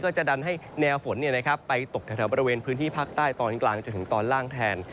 จะดันให้แนวฝนไปตกแถวบริเวณพื้นที่ภาคใต้ตอนกลางจนถึงตอนล่างแทน